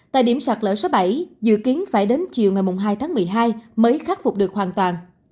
tại điểm sạt lỡ số bảy dự kiến phải đến chiều ngày hai tháng một mươi hai mới khắc phục được hoàn toàn